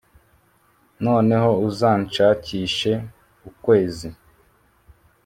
noneho uzanshakishe ukwezi,